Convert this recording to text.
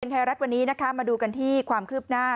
ไทยรัฐวันนี้นะคะมาดูกันที่ความคืบหน้า